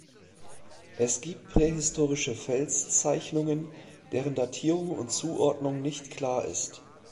Es gibt prähistorische Felszeichnungen, deren Datierung und Zuordnung nicht klar ist.